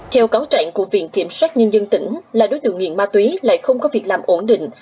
theo cáo trạng của viện kiểm soát nhân dân tỉnh là đối tượng nghiện ma túy lại không có việc làm ổn định